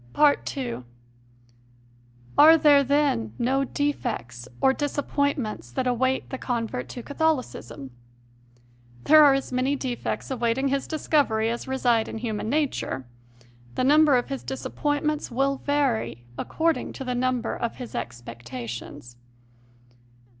2. Are there, then, no defects or disappoint ments that await the convert to Catholicism? There are as many defects awaiting his discovery as reside in human nature; the number of his dis appointments will vary according to the number of his expectations.